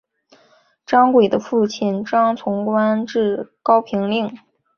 张轨的父亲张崇官至高平令。